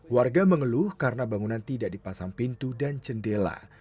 warga mengeluh karena bangunan tidak dipasang pintu dan jendela